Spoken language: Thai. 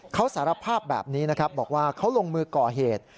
เขาสารภาพแบบนี้นะครับบอกว่าเขาลงมือก่อเหตุ